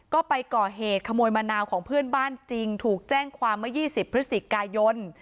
ก็ไปก่อเหตุขโมยมะนาวของเพื่อนบ้านจริงถูกแจ้งความเมื่อ๒๐พฤศจิกายน